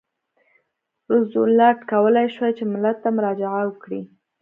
روزولټ کولای شوای چې ملت ته مراجعه وکړي.